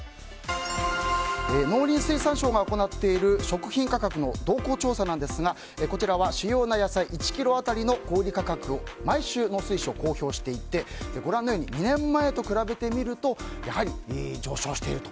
農林水産省が行っている食品価格の動向調査なんですが主要な野菜１ｋｇ当たりの小売価格を毎週農水省は公表していて２年前と比べてみると上昇していると。